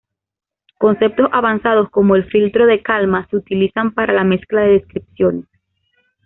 Conceptos avanzados como el filtro de Kalman se utilizan para la mezcla de descripciones.